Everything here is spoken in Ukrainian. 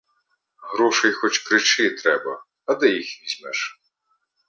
Грошей, хоч кричи, треба, а де їх візьмеш?